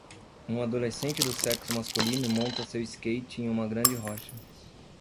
Um adolescente do sexo masculino monta seu skate em uma grande rocha.